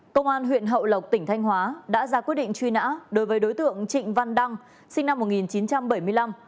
công an huyện hậu lộc tỉnh thanh hóa đã ra quyết định truy nã đối với đối tượng trịnh văn đăng sinh năm một nghìn chín trăm bảy mươi năm